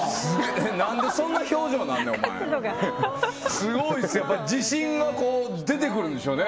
なんでそんな表情なんねんお前すごいっすよやっぱ自信が出てくるんでしょうね